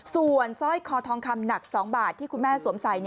ส่วนสร้อยคอทองคำหนัก๒บาทที่คุณแม่สวมใส่